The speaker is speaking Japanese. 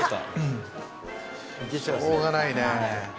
しょうがないね。